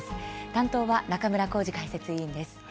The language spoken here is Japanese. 担当は中村幸司解説委員です。